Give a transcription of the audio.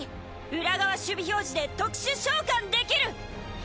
裏側守備表示で特殊召喚できる！